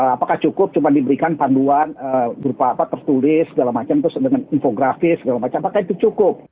apakah cukup cuma diberikan panduan berupa apa tertulis segala macam terus dengan infografi segala macam apakah itu cukup